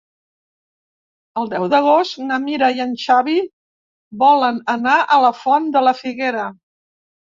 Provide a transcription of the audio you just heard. El deu d'agost na Mira i en Xavi volen anar a la Font de la Figuera.